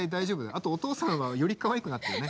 あとお父さんはよりかわいくなったよね。